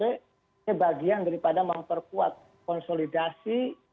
ini bagian daripada memperkuat konsolidasi